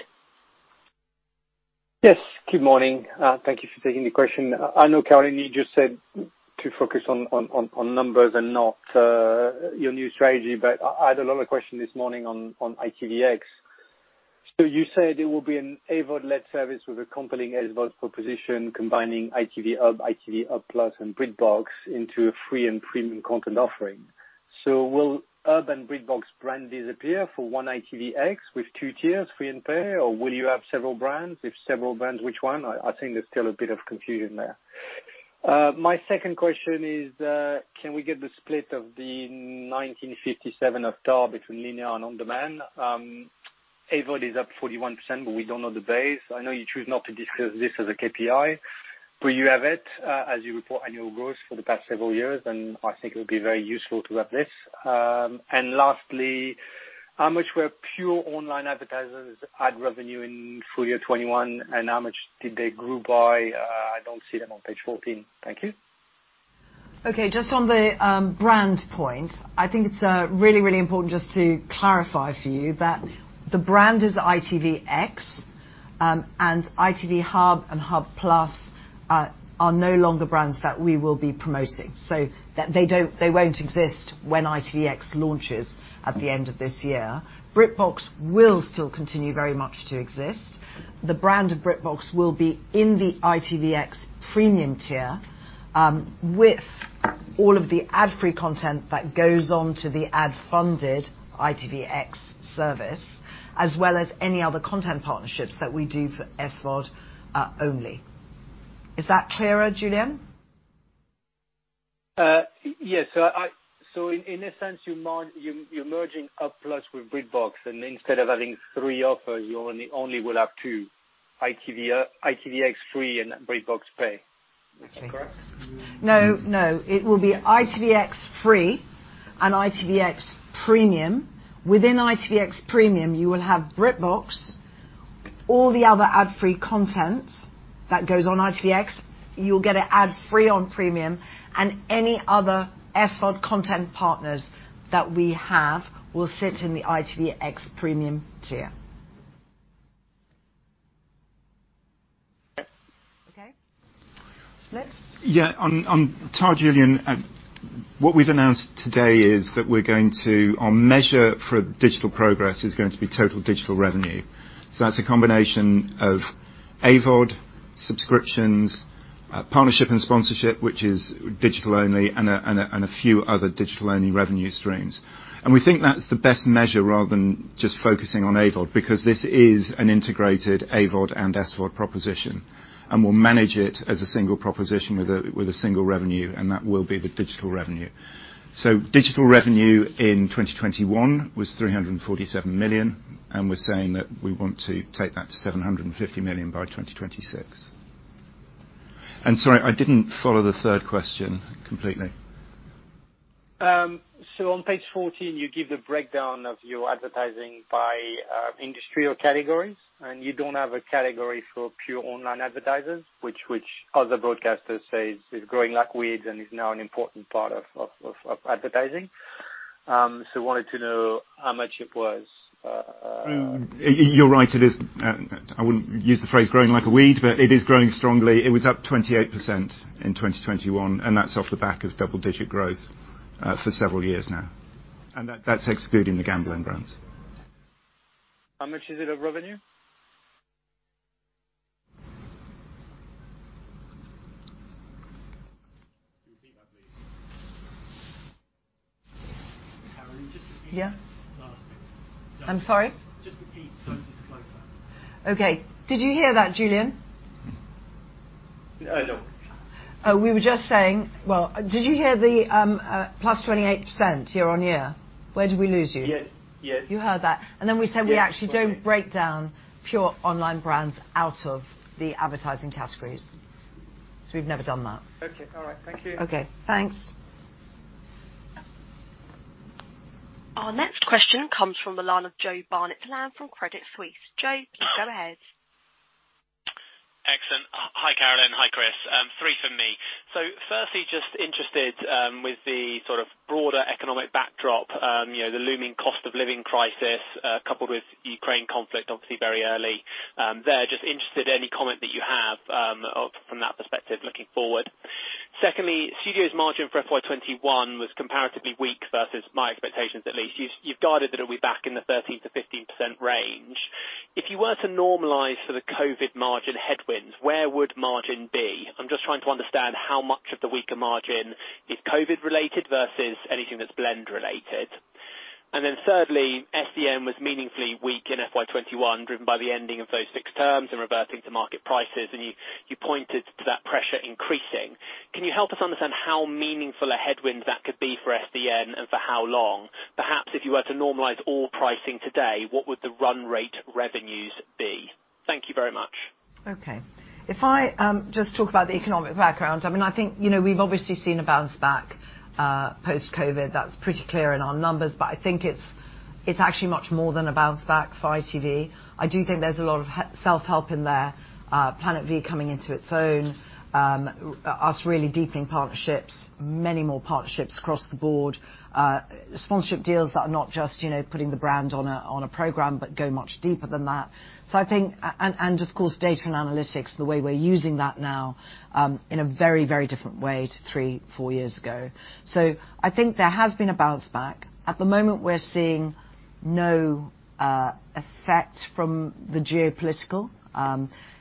Yes. Good morning. Thank you for taking the question. I know, Carolyn, you just said to focus on numbers and not your new strategy, but I had a lot of questions this morning on ITVX. You said it will be an AVOD-led service with a compelling AVOD proposition combining ITV Hub, ITV Hub+ and BritBox into a free and premium content offering. Will Hub and BritBox brand disappear in favor of one ITVX with two tiers, free and pay? Or will you have several brands? If several brands, which one? I think there's still a bit of confusion there. My second question is, can we get the split of the 1,957 million of TAR between linear and on-demand? AVOD is up 41%, but we don't know the base. I know you choose not to disclose this as a KPI, but you have it, as you report annual growth for the past several years, and I think it would be very useful to have this. Lastly, how much were pure online advertising revenue in full year 2021, and how much did they grow by? I don't see them on page 14. Thank you. Okay. Just on the brand point, I think it's really important just to clarify for you that the brand is ITVX, and ITV Hub and Hub+ are no longer brands that we will be promoting. They won't exist when ITVX launches at the end of this year. BritBox will still continue very much to exist. The brand BritBox will be in the ITVX premium tier, with all of the ad-free content that goes onto the ad-funded ITVX service, as well as any other content partnerships that we do for SVOD only. Is that clearer, Julien? Yes. In a sense, you're merging Hub+ with BritBox, and instead of having three offers, you only will have two, ITV, ITVX Free and BritBox Pay. Is that correct? No, no. It will be ITVX Free and ITVX Premium. Within ITVX Premium, you will have BritBox, all the other ad-free content that goes on ITVX, you'll get it ad-free on Premium, and any other SVOD content partners that we have will sit in the ITVX Premium tier. Okay. Next. Ta, Julien Roch. What we've announced today is that our measure for digital progress is going to be total digital revenue. That's a combination of AVOD, subscriptions, partnership and sponsorship, which is digital only, and a few other digital-only revenue streams. We think that's the best measure rather than just focusing on AVOD, because this is an integrated AVOD and SVOD proposition. We'll manage it as a single proposition with a single revenue, and that will be the digital revenue. Digital revenue in 2021 was 347 million, and we're saying that we want to take that to 750 million by 2026. Sorry, I didn't follow the third question completely. On page 14, you give the breakdown of your advertising by industry or categories, and you don't have a category for pure online advertisers, which other broadcasters say is growing like weeds and is now an important part of advertising. Wanted to know how much it was. You're right. I wouldn't use the phrase growing like a weed, but it is growing strongly. It was up 28% in 2021, and that's off the back of double-digit growth for several years now, and that's excluding the gambling brands. How much is it of revenue? Can you repeat that, please? Carolyn, just repeat that last bit. Yeah. I'm sorry? Just repeat. Don't disclose that. Okay. Did you hear that, Julien? No. We were just saying. Well, did you hear the +28% year-on-year? Where did we lose you? Yeah. Yeah. You heard that. Yeah. We said we actually don't break down pure online brands out of the advertising categories. We've never done that. Okay. All right. Thank you. Okay, thanks. Our next question comes from the line of Joe Barnet-Lamb from Credit Suisse. Joe, go ahead. Excellent. Hi, Carolyn. Hi, Chris. Three from me. Firstly, just interested with the sort of broader economic backdrop, you know, the looming cost of living crisis, coupled with Ukraine conflict, obviously very early. Just interested in any comment that you have on from that perspective looking forward. Secondly, studios margin for FY 2021 was comparatively weak versus my expectations, at least. You've guided that it'll be back in the 13%-15% range. If you were to normalize for the COVID margin headwinds, where would margin be? I'm just trying to understand how much of the weaker margin is COVID-related versus anything that's blend related. Thirdly, SDN was meaningfully weak in FY 2021, driven by the ending of those mux terms and reverting to market prices. You pointed to that pressure increasing. Can you help us understand how meaningful a headwind that could be for SDN and for how long? Perhaps if you were to normalize all pricing today, what would the run rate revenues be? Thank you very much. Okay. If I just talk about the economic background, I mean, I think, you know, we've obviously seen a bounce back post-COVID. That's pretty clear in our numbers. I think it's actually much more than a bounce back for ITV. I do think there's a lot of self-help in there, Planet V coming into its own, us really deepening partnerships, many more partnerships across the board, sponsorship deals that are not just, you know, putting the brand on a, on a program, but go much deeper than that. I think and of course, data and analytics, the way we're using that now, in a very, very different way to three, four years ago. I think there has been a bounce back. At the moment, we're seeing no effect from the geopolitical,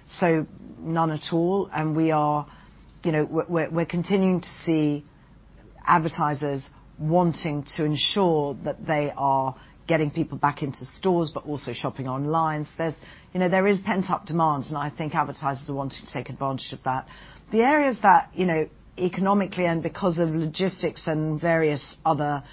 so none at all. We are. You know, we're continuing to see advertisers wanting to ensure that they are getting people back into stores, but also shopping online. There's. You know, there is pent-up demand, and I think advertisers are wanting to take advantage of that. The areas that, you know, economically and because of logistics and various other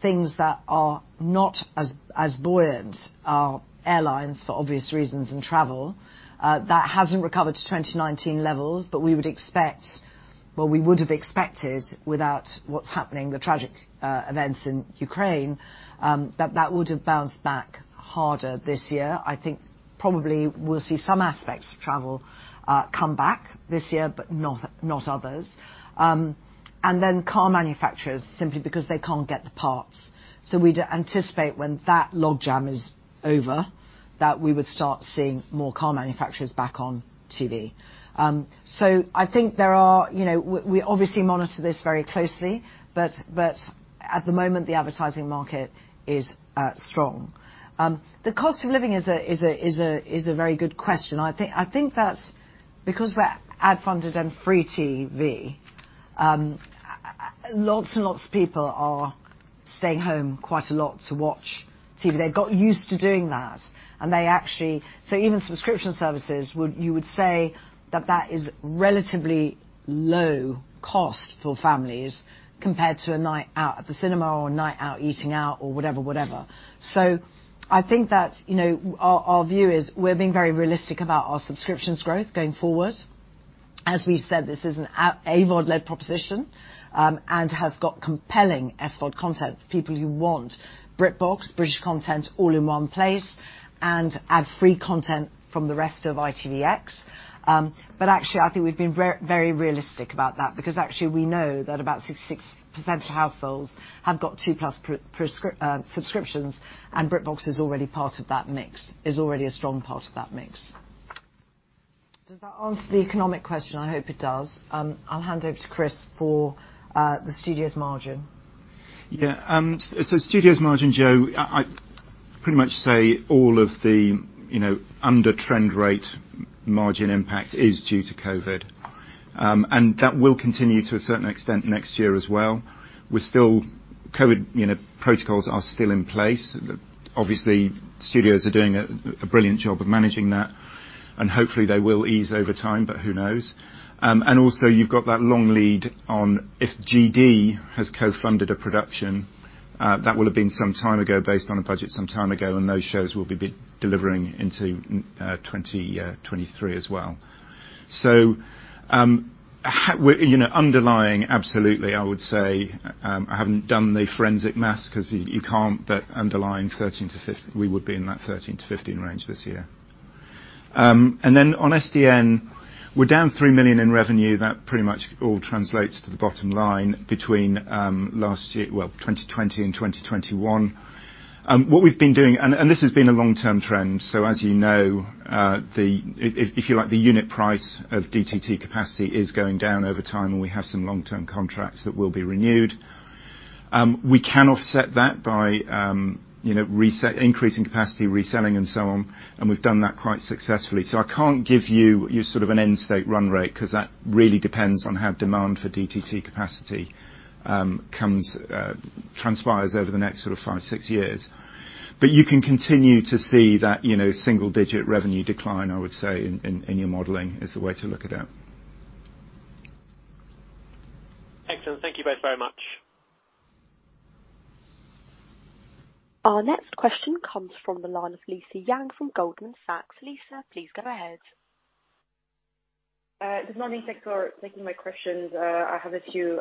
things that are not as buoyant are airlines for obvious reasons, and travel. That hasn't recovered to 2019 levels, but we would expect. Well, we would have expected without what's happening, the tragic events in Ukraine, that that would have bounced back harder this year. I think probably we'll see some aspects of travel come back this year, but not others. And then car manufacturers simply because they can't get the parts. We'd anticipate when that log jam is over, that we would start seeing more car manufacturers back on TV. I think there are. You know, we obviously monitor this very closely, but at the moment, the advertising market is strong. The cost of living is a very good question. I think that's because we're ad-funded and free TV, lots and lots of people are staying home quite a lot to watch TV. They've got used to doing that, and they actually even subscription services you would say that is relatively low cost for families compared to a night out at the cinema or a night out eating out or whatever. I think that's, you know, our view is we're being very realistic about our subscriptions growth going forward. As we've said, this is an AVOD-led proposition, and has got compelling SVOD content. People who want BritBox, British content all in one place, and ad-free content from the rest of ITVX. But actually I think we've been very realistic about that because actually we know that about 66% of households have got 2+ subscriptions, and BritBox is already part of that mix. Is already a strong part of that mix. Does that answer the economic question? I hope it does. I'll hand over to Chris for the Studios margin. So Studios margin, Joe, I'd pretty much say all of the, you know, under trend rate margin impact is due to COVID. That will continue to a certain extent next year as well. We're still COVID protocols are still in place. Obviously, Studios are doing a brilliant job of managing that, and hopefully they will ease over time, but who knows? Also you've got that long lead on if GD has co-funded a production, that will have been some time ago based on a budget some time ago, and those shows will be delivering into 2023 as well. We're, you know, underlying absolutely, I would say, I haven't done the forensic math 'cause you can't, but underlying 13%-15% we would be in that 13%-15% range this year. On SDN, we're down 3 million in revenue. That pretty much all translates to the bottom line between last year, 2020 and 2021. What we've been doing, and this has been a long-term trend, so as you know, if you like, the unit price of DTT capacity is going down over time, and we have some long-term contracts that will be renewed. We can offset that by, you know, increasing capacity, reselling and so on, and we've done that quite successfully. I can't give you your sort of an end state run rate 'cause that really depends on how demand for DTT capacity comes, transpires over the next sort of five, six years. You can continue to see that, you know, single digit revenue decline, I would say in your modeling is the way to look at it. Excellent. Thank you both very much. Our next question comes from the line of Lisa Yang from Goldman Sachs. Lisa, please go ahead. Good morning. Thank you for taking my questions. I have a few.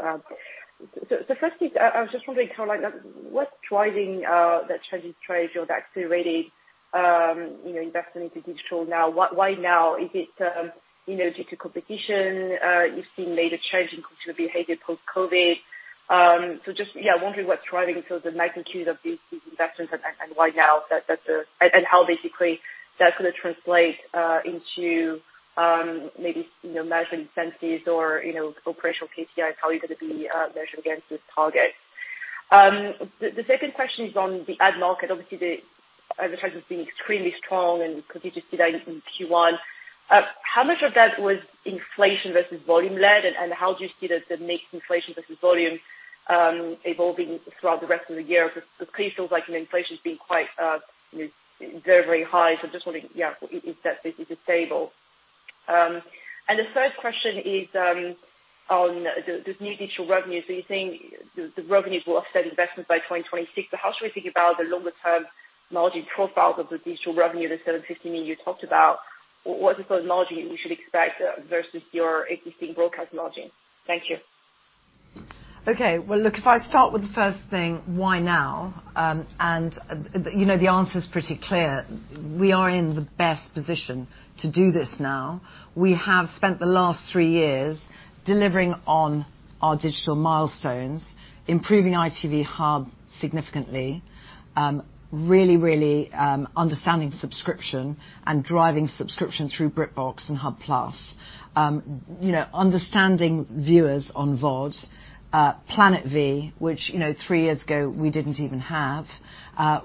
Firstly, I was just wondering kind of like what's driving that strategic shift, your accelerated, you know, investment into digital now. Why now? Is it, you know, due to competition? You've seen major change in consumer behavior post-COVID. Just, yeah, wondering what's driving sort of the magnitude of these investments and why now, and how basically that's gonna translate into maybe, you know, metrics or operational KPIs, how you're gonna be measured against this target. The second question is on the ad market. Obviously, the ad market is being extremely strong and continues to be that in Q1. How much of that was inflation versus volume-led, and how do you see the mix inflation versus volume evolving throughout the rest of the year? Because it clearly feels like inflation's been quite, you know, very, very high. Just wondering, yeah, is that stable? The third question is on the new digital revenue. You're saying the revenues will offset investments by 2026. How should we think about the longer term margin profiles of the digital revenue, the 750 million you talked about, what is the margin we should expect versus your existing broadcast margin? Thank you. Okay. Well, look, if I start with the first thing, why now? You know, the answer is pretty clear. We are in the best position to do this now. We have spent the last 3 years delivering on our digital milestones, improving ITV Hub significantly, really understanding subscription and driving subscription through BritBox and Hub Plus, you know, understanding viewers on VOD, Planet V, which, you know, 3 years ago we didn't even have.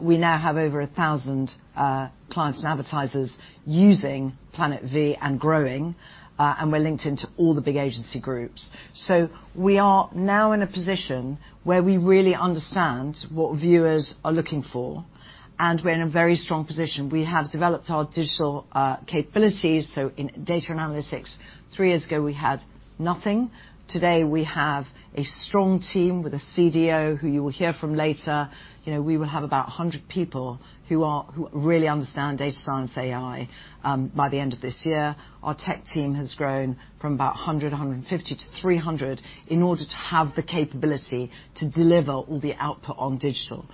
We now have over 1,000 clients and advertisers using Planet V and growing, and we're linked into all the big agency groups. We are now in a position where we really understand what viewers are looking for, and we're in a very strong position. We have developed our digital capabilities. In data analytics, 3 years ago we had nothing. Today, we have a strong team with a CDO, who you will hear from later. You know, we will have about 100 people who really understand data science, AI, by the end of this year. Our tech team has grown from about 100, 150 to 300 in order to have the capability to deliver all the output on digital.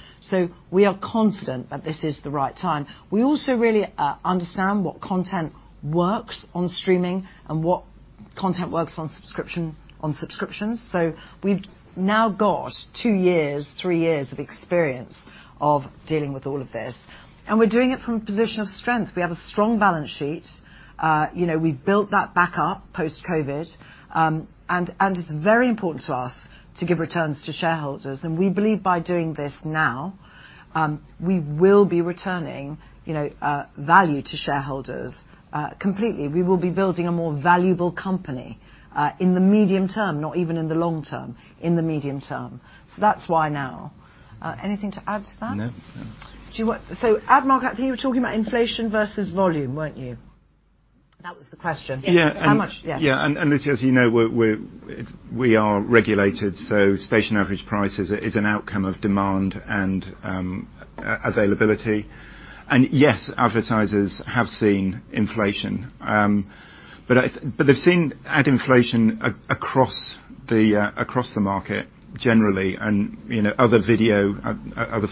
We are confident that this is the right time. We also really understand what content works on streaming and what content works on subscription, on subscriptions. We've now got 2 years, 3 years of experience of dealing with all of this, and we're doing it from a position of strength. We have a strong balance sheet. You know, we've built that back up post-COVID. It's very important to us to give returns to shareholders, and we believe by doing this now, we will be returning, you know, value to shareholders, completely. We will be building a more valuable company, in the medium term, not even in the long term, in the medium term. That's why now. Anything to add to that? No. Ad market, you were talking about inflation versus volume, weren't you? That's the question. Yeah. How much? Yes. Yeah. As you know, we are regulated, so station average price is an outcome of demand and availability. Yes, advertisers have seen inflation, but they've seen ad inflation across the market generally and you know, other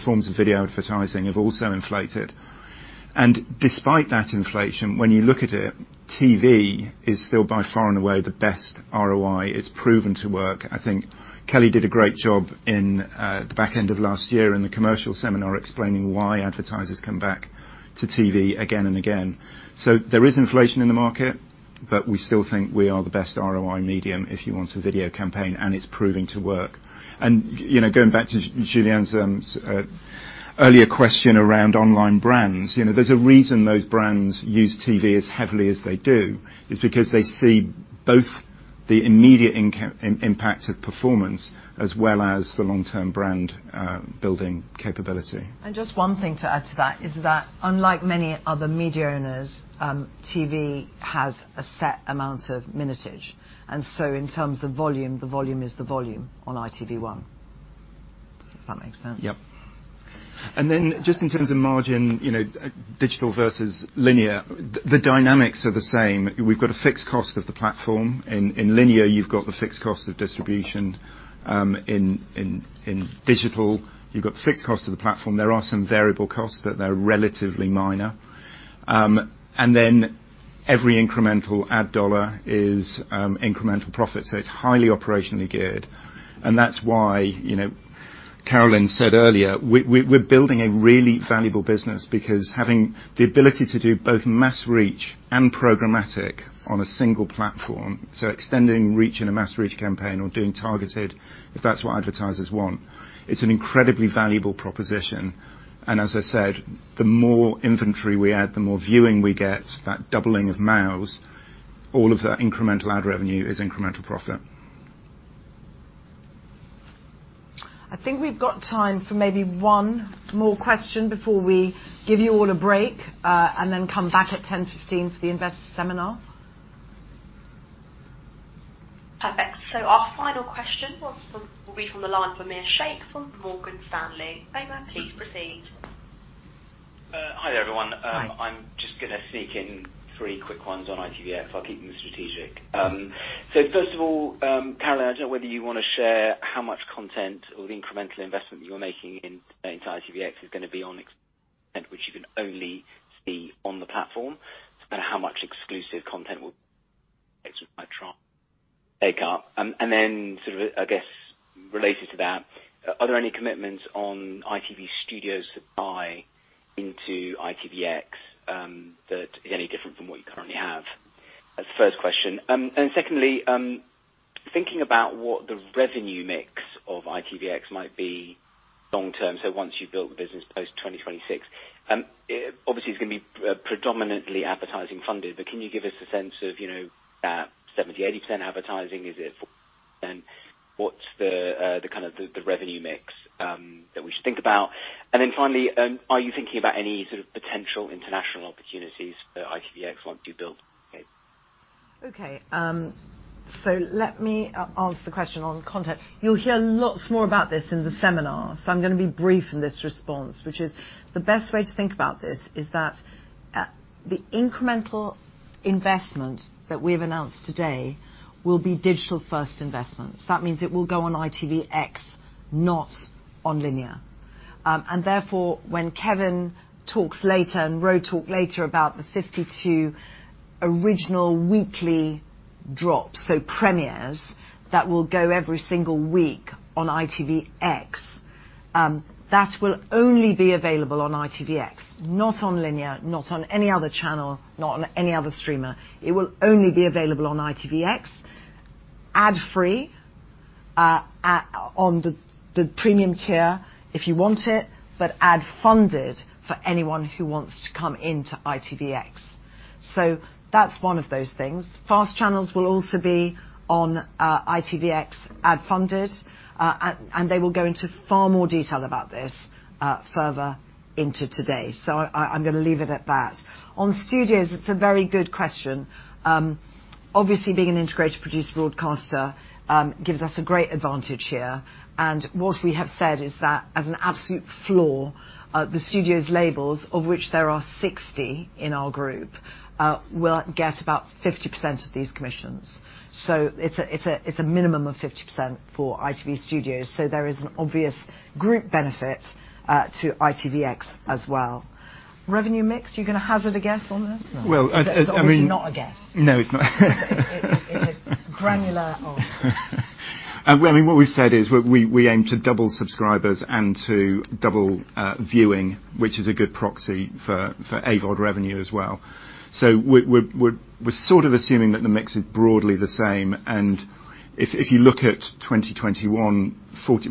forms of video advertising have also inflated. Despite that inflation, when you look at it, TV is still by far and away the best ROI. It's proven to work. I think Kelly did a great job in the back end of last year in the commercial seminar explaining why advertisers come back to TV again and again. There is inflation in the market, but we still think we are the best ROI medium if you want a video campaign, and it's proving to work. You know, going back to Julien's earlier question around online brands, you know, there's a reason those brands use TV as heavily as they do. It's because they see both the immediate impact of performance as well as the long-term brand building capability. Just one thing to add to that is that unlike many other media owners, TV has a set amount of minutage. In terms of volume, the volume is the volume on ITV1. If that makes sense. Yep. Just in terms of margin, you know, digital versus linear, the dynamics are the same. We've got a fixed cost of the platform. In linear, you've got the fixed cost of distribution. In digital, you've got the fixed cost of the platform. There are some variable costs that they're relatively minor. Every incremental ad dollar is incremental profit, so it's highly operationally geared. That's why, you know, Carolyn said earlier, we're building a really valuable business because having the ability to do both mass reach and programmatic on a single platform, so extending reach in a mass reach campaign or doing targeted, if that's what advertisers want, it's an incredibly valuable proposition. as I said, the more inventory we add, the more viewing we get, that doubling of MAUs, all of the incremental ad revenue is incremental profit. I think we've got time for maybe one more question before we give you all a break, and then come back at 10:15 for the Investor seminar. Perfect. Our final question will be from the line of Omar Sheikh from Morgan Stanley. Omar, please proceed. Hi, everyone. Hi. I'm just gonna sneak in three quick ones on ITVX. I'll keep them strategic. First of all, Carolyn, I don't know whether you wanna share how much content or the incremental investment you're making into ITVX is gonna be you can only see on the platform, and how much exclusive content will there be. Then sort of, I guess, related to that, are there any commitments on ITV Studios to buy into ITVX that is any different from what you currently have? That's the first question. Secondly, thinking about what the revenue mix of ITVX might be long-term, so once you've built the business post-2026, obviously, it's gonna be predominantly advertising-funded, but can you give us a sense of, you know, 70%-80% advertising? Is it? What's the kind of revenue mix that we should think about? Then finally, are you thinking about any sort of potential international opportunities for ITVX once you build? Okay. Okay. let me answer the question on content. You'll hear lots more about this in the seminar, so I'm gonna be brief in this response, which is the best way to think about this is that the incremental investment that we've announced today will be digital-first investments. That means it will go on ITVX, not on linear. Therefore, when Kevin talks later and Ro talk later about the 52 original weekly drops, so premieres that will go every single week on ITVX, that will only be available on ITVX, not on linear, not on any other channel, not on any other streamer. It will only be available on ITVX ad free on the premium tier if you want it, but ad funded for anyone who wants to come into ITVX. That's one of those things. Fast channels will also be on ITVX ad funded, and they will go into far more detail about this further into today. I'm gonna leave it at that. On studios, it's a very good question. Obviously, being an integrated producer broadcaster gives us a great advantage here. What we have said is that as an absolute floor the studios labels, of which there are 60 in our group, will get about 50% of these commissions. It's a minimum of 50% for ITV Studios. There is an obvious group benefit to ITVX as well. Revenue mix, you gonna hazard a guess on this? Well, I mean. It's obviously not a guess. No, it's not. It's a granular art. I mean, what we said is we aim to double subscribers and to double viewing, which is a good proxy for AVOD revenue as well. We're sort of assuming that the mix is broadly the same. If you look at 2021,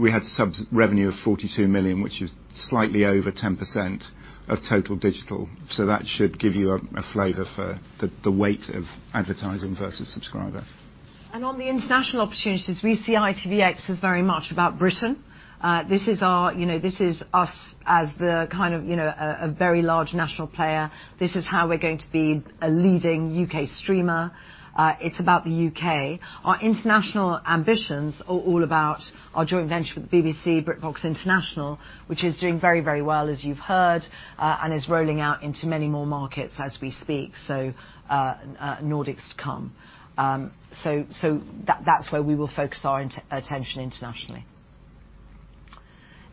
we had subs revenue of £42 million, which is slightly over 10% of total digital. That should give you a flavor for the weight of advertising versus subscriber. On the international opportunities, we see ITVX as very much about Britain. This is our, you know, this is us as the kind of, you know, a very large national player. This is how we're going to be a leading UK streamer. It's about the UK. Our international ambitions are all about our joint venture with the BBC, BritBox International, which is doing very, very well as you've heard, and is rolling out into many more markets as we speak. So, Nordics to come. So that's where we will focus our attention internationally.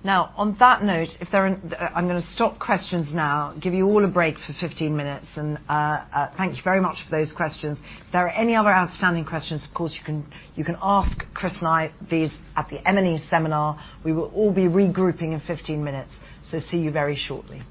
Now, on that note, if there are, I'm gonna stop questions now, give you all a break for 15 minutes, and, thank you very much for those questions. If there are any other outstanding questions, of course, you can ask Chris and I these at the M&E seminar. We will all be regrouping in 15 minutes, so see you very shortly.